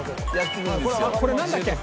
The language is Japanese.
これなんだっけ？